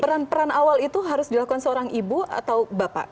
peran peran awal itu harus dilakukan seorang ibu atau bapak